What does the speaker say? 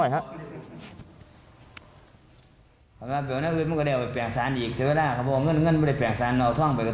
อยากถือให้เจ้าความกันเป็นที่สินะครับ